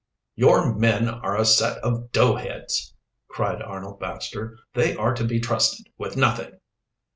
"Your men are a set of doughheads," cried Arnold Baxter. "They are to be trusted with nothing."